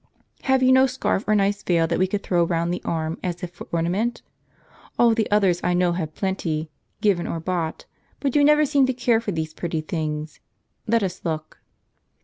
Have you no scarf or nice veil that we could throw round the arm, as if for ornament ? All the others I know have plenty, given or bought ; but you never seem to care for these pretty things. Let us look."